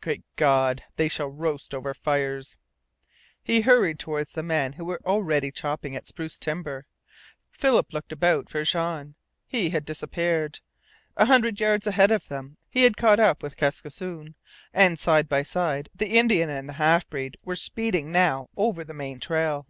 Great God, they shall roast over fires!" He hurried toward the men who were already chopping at spruce timber. Philip looked about for Jean. He had disappeared. A hundred yards ahead of them he had caught up with Kaskisoon, and side by side the Indian and the half breed were speeding now over the man trail.